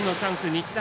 日大